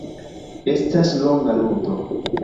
Estas longa ludo.